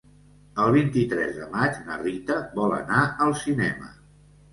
El vint-i-tres de maig na Rita vol anar al cinema.